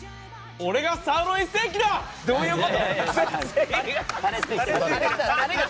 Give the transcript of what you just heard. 俺がサーロインステーキってどういうこと？